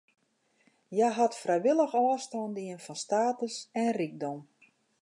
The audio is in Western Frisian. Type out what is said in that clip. Hja hat frijwillich ôfstân dien fan status en rykdom.